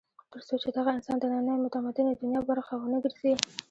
تر څو چې دغه انسان د نننۍ متمدنې دنیا برخه ونه ګرځي.